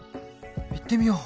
行ってみよう。